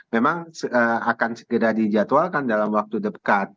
memang akan segera dijadwalkan dalam waktu dekat